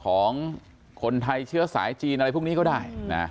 ของคนไทยเชื้อสายจีนอะไรพวกนี้ก็ได้นะ